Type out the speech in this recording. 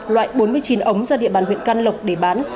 loại bốn mươi chín ống ra địa bàn huyện can lộc để bán